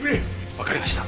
わかりました。